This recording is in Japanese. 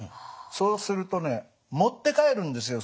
そうするとね持って帰るんですよ